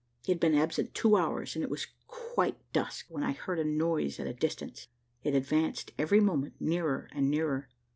He had been absent two hours, and it was quite dusk, when I heard a noise at a distance: it advanced every moment nearer and nearer.